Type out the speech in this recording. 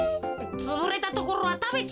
つぶれたところはたべちゃおうぜ。